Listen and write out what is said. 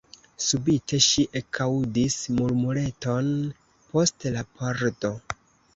Subite ŝi ekaŭdis murmureton post la pordo.